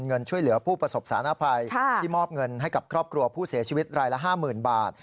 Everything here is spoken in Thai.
เงินช่วยเหลือผู้ประสบสารภัยที่มอบเงินให้กับครอบครัวผู้เสียชีวิตรายละ๕๐๐๐บาท